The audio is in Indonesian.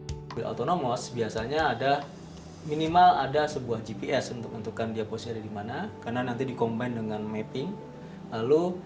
untuk mobil otonom biasanya ada minimal ada sebuah gps untuk menentukan dia posisi ada di mana